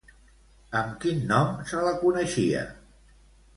Amb quin nom se la coneixia?